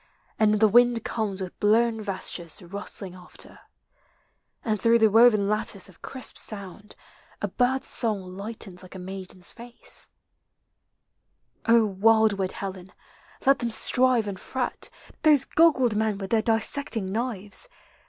And the wind comes with blown vestures rustling after, And through the woven lattice of crisp sound A bird's song lightens like a maiden's face, O wildwood Helen, let them strive and fret, Those goggled men with their dissecting knives